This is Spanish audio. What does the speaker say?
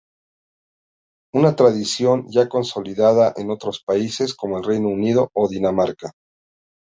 Una tradición ya consolidada en otros países, como el Reino Unido o Dinamarca.